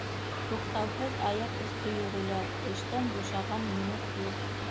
Туҡтауһыҙ аяҡ өҫтө йөрөлә, эштән бушаған минут юҡ.